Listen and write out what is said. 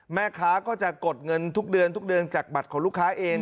แม่ค้าก็จะกดเงินทุกเดือนทุกเดือนจากบัตรของลูกค้าเอง